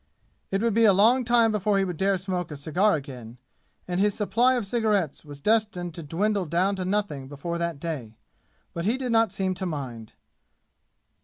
It would be a long time before he would dare smoke a cigar again, and his supply of cigarettes was destined to dwindle down to nothing before that day. But he did not seem to mind.